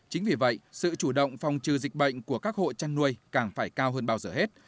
chính vì vậy sự chủ động phòng trừ dịch bệnh của các hộ chăn nuôi càng phải cao hơn bao giờ hết